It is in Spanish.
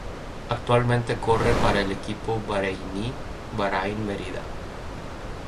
Actualmente corre para el equipo bareiní Bahrain Merida.